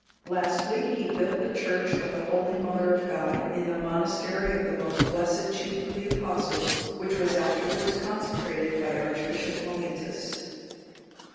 Lastly, he built the church of the holy Mother of God,(197) in the monastery of the most blessed chief of the Apostles, which was afterwards consecrated by Archbishop Mellitus.